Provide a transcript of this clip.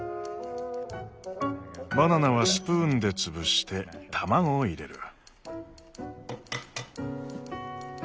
バナナはスプーンで潰して卵を入れる。